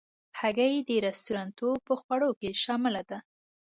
هګۍ د رستورانتو په خوړو کې شامل ده.